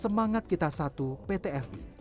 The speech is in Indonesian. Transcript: semangat kita satu pt fi